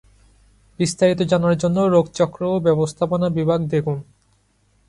বিস্তারিত জানার জন্য রোগ চক্র ও ব্যবস্থাপনা বিভাগ দেখুন।